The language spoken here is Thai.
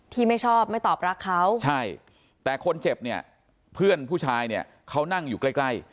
ไม่ชอบไม่ตอบรักเขาใช่แต่คนเจ็บเนี่ยเพื่อนผู้ชายเนี่ยเขานั่งอยู่ใกล้ใกล้